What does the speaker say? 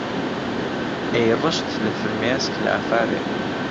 ئهیڕشت له فرمێسک لافاوێ